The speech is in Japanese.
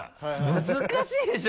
難しいでしょ？